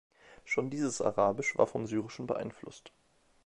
Schon dieses Arabisch war vom Syrischen beeinflusst.